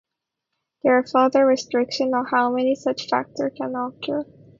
There are further restrictions on how many such factors can occur.